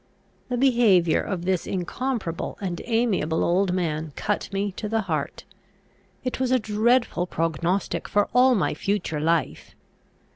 The behaviour of this incomparable and amiable old man cut me to the heart. It was a dreadful prognostic for all my future life.